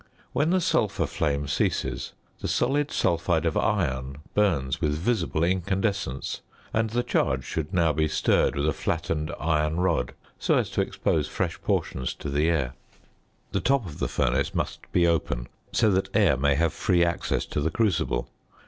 When the sulphur flame ceases the solid sulphide of iron burns with visible incandescence and the charge should now be stirred with a flattened iron rod so as to expose fresh portions to the air. The top of the furnace must be open, so that air may have free access to the crucible.